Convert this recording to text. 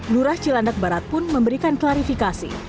lurah cilandak barat pun memberikan klarifikasi